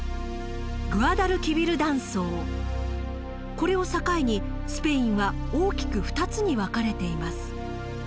これを境にスペインは大きく２つに分かれています。